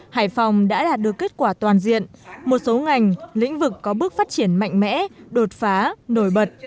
hải phòng đã đạt được kết quả toàn diện một số ngành lĩnh vực có bước phát triển mạnh mẽ đột phá nổi bật